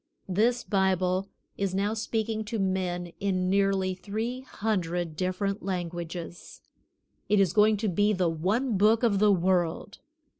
This Bible is now speaking to men in nearly three hundred different languages. It is going to be the one Book of the world.